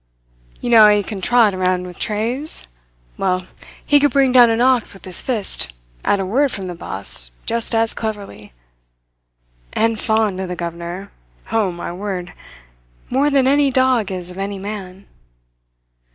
You know how he can trot around with trays? Well, he could bring down an ox with his fist, at a word from the boss, just as cleverly. And fond of the governor! Oh, my word! More than any dog is of any man."